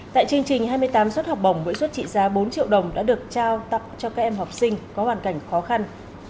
tại chương trình hai mươi tám suất học bổng với suất trị giá bốn triệu đồng đã được trao tặng cho các em học sinh có hoàn cảnh khó khăn